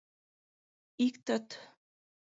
Иктыт...